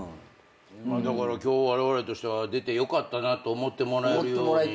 だから今日われわれとしては出てよかったなと思ってもらえるようにしないと。